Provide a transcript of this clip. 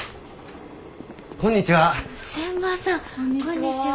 こんにちは。